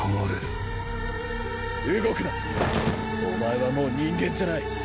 お前はもう人間じゃない。